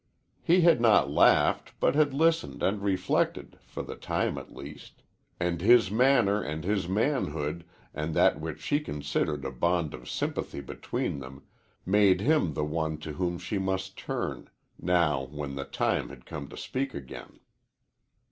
He had not laughed, but had listened and reflected, for the time at least; and his manner and his manhood, and that which she considered a bond of sympathy between them, made him the one to whom she must turn, now when the time had come to speak again.